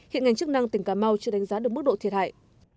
hiện ngành chức năng tỉnh cà mau chưa đánh giá được mức độ thiệt hại